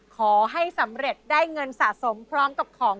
ขอให้สำเร็จได้เงินสะสมพร้อมกับของ